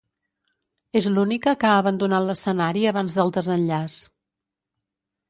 És l'única que ha abandonat l'escenari abans del desenllaç.